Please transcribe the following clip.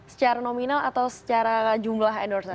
secara nominal atau secara jumlah endorsement